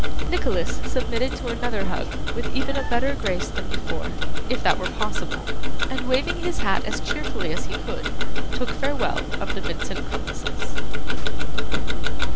Nicholas submitted to another hug with even a better grace than before, if that were possible, and waving his hat as cheerfully as he could, took farewell of the Vincent Crummleses.